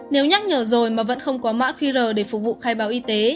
nếu nhắc nhở rồi mà vẫn không có mã khuy rời để phục vụ khai báo y tế